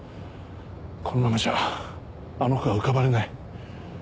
このままじゃあの子が浮かばれない。